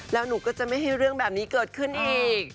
แล้วหนูก็จะไม่ให้เรื่องแบบนี้เกิดขึ้นอีก